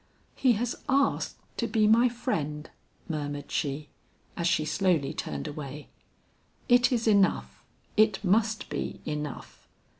"He has asked to be my friend," murmured she, as she slowly turned away. "It is enough; it must be enough."